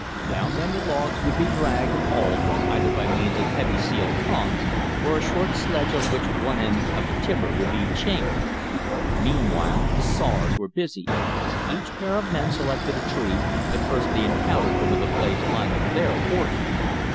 Down them the logs would be dragged and hauled, either by means of heavy steel tongs or a short sledge on which one end of the timber would be chained. Meantime the sawyers were busy. Each pair of men selected a tree, the first they encountered over the blazed line of their "forty."